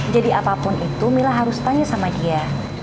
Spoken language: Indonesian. jadi apapun itu mila harus tanya sama dia